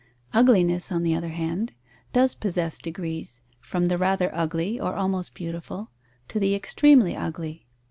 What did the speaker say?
Ugliness, on the other hand, does possess degrees, from the rather ugly (or almost beautiful) to the extremely ugly.